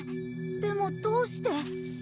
でもどうして？